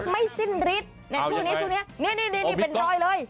ไม่สิ้นฤทธิ์เนี่ยช่วงนี้ช่วงนี้นี่นี่นี่นี่เป็นรอยเลย